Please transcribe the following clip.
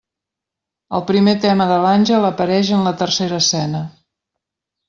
El primer tema de l'àngel apareix en la tercera escena.